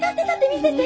見せて！